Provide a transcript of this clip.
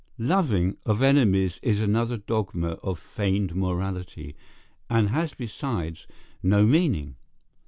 Loving, of enemies is another dogma of feigned morality, and has besides no meaning.